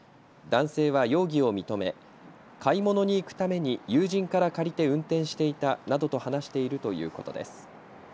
男性は容疑を認め、買い物に行くために友人から借りて運転していたなどと話しているということです。